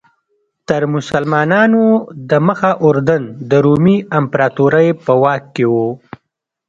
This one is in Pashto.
تر مسلمانانو دمخه اردن د رومي امپراتورۍ په واک کې و.